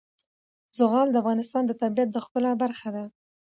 زغال د افغانستان د طبیعت د ښکلا برخه ده.